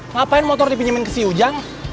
ngapain motor dipinjamin ke si ujang